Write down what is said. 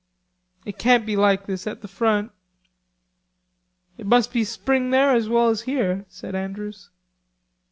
"It can't be like this at the front." "It must be spring there as well as here," said Andrews.